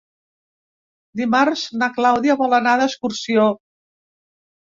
Dimarts na Clàudia vol anar d'excursió.